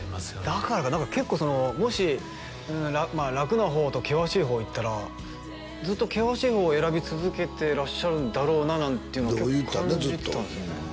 だからか何か結構もし楽な方と険しい方いったらずっと険しい方を選び続けてらっしゃるんだろうななんていうのは結構感じてたんですよね